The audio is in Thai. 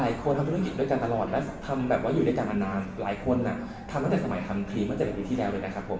อยู่ด้วยกันมานานหลายคนทำตั้งแต่สมัยทำครีม๗ปีที่แล้วเลยนะครับผม